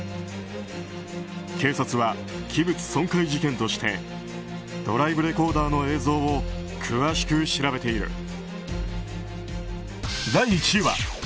警察は器物損壊事件としてドライブレコーダーの映像を詳しく調べている。